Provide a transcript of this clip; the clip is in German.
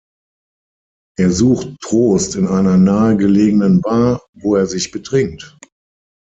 Er sucht Trost in einer nahegelegenen Bar, wo er sich betrinkt.